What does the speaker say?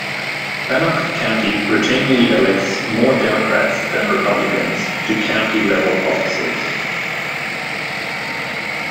Bannock County routinely elects more Democrats than Republicans to county-level offices.